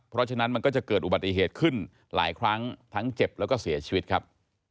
เพราะฉะนั้นมันก็จะเกิดอุบัติเหตุขึ้นหลายครั้งทั้งเจ็บแล้วก็เสียชีวิตครับ